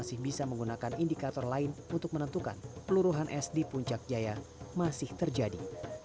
dan juga bisa menggunakan indikator lain untuk menentukan peluruhan es di puncak jaya masih terjadi